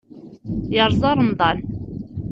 Yerẓa remḍan.